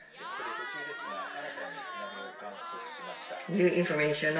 ここで途中ですが新たに津波を観測しました。